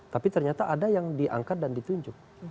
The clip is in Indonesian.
tapi ternyata ada yang diangkat dan ditunjuk